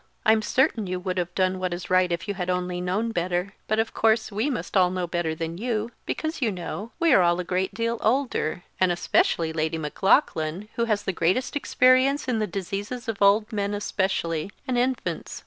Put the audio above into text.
I'm certain you would have done what is right if you had only known better; but of course we must all know much better than you; because, you know, we are all a great deal older, and especially Lady Maclaughlan, who has the greatest experience in the diseases of old men especially, and infants.